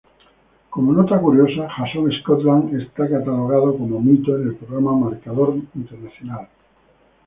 Como nota curiosa, Jason Scotland es catalogado como "mito" en el programa Marcador internacional.